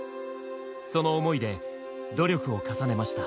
その思いで努力を重ねました。